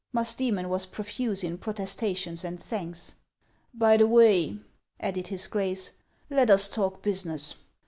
Musdoemon was profuse in protestations and thanks. " By the way," added his Grace, " let us talk business.